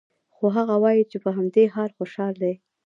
خو هغه وايي چې په همدې حال خوشحال دی